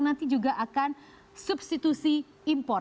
nanti juga akan substitusi impor